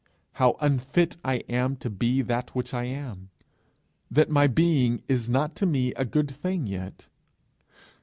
how unfit I am to be that which I am? that my being is not to me a good thing yet?